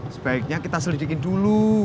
sebaiknya kita selidikin dulu